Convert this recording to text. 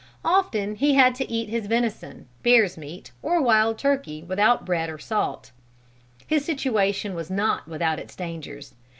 Often he had to eat his venison, bear's meat, or wild turkey without bread or salt. His situation was not without its dangers.